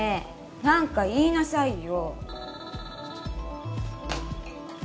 何か言いなさいよ